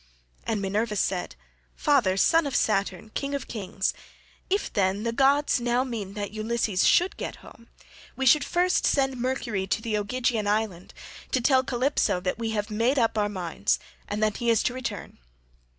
And Minerva said, "Father, son of Saturn, King of kings, if, then, the gods now mean that Ulysses should get home, we should first send Mercury to the Ogygian island to tell Calypso that we have made up our minds and that he is to return.